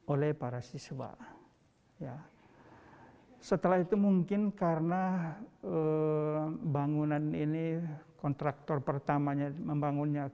oleh para siswa ya setelah itu mungkin karena bangunan ini kontraktor pertamanya membangunnya